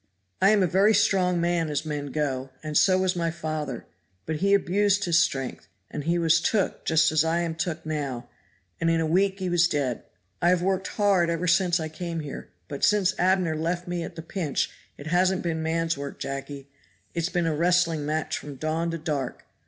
I am a very strong man as men go, and so was my father; but he abused his strength and he was took just as I am took now, and in a week he was dead. I have worked hard ever since I came here, but since Abner left me at the pinch it hasn't been man's work, Jacky; it has been a wrestling match from dawn to dark.